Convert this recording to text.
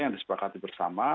yang disepakati bersama